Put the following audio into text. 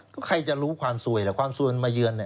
ก็ใครจะรู้ความสวยหรือความสวยมายืน